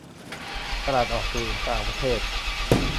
ตลาดออกสู่ต่างประเทศ